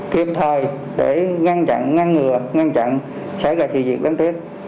kiêm thời để ngăn chặn ngăn ngừa ngăn chặn sẽ gây thị diện đáng tiếc